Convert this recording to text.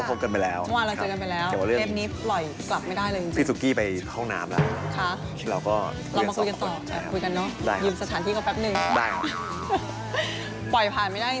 ผมนึกว่าว่าอีกคนคนนี้อร่อย